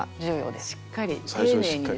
しっかり丁寧にですね。